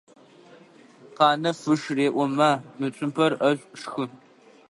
Къанэф ыш реӏо: «Ма, мы цумпэр ӏэшӏу, шхы!».